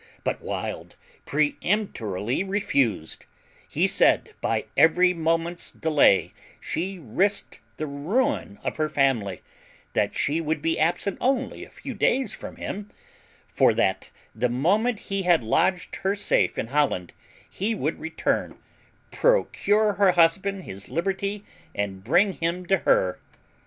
But Wild peremptorily refused; he said by every moment's delay she risqued the ruin of her family; that she would be absent only a few days from him, for that the moment he had lodged her safe in Holland, he would return, procure her husband his liberty, and bring him to her.